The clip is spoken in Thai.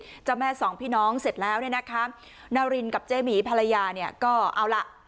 ทั้งเจ้าแม่สองพี่น้องเสร็จแล้วนี่นะคะนารินกับเจมีพัลยาก็เอาล่ะ